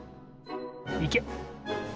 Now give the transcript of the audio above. いけ！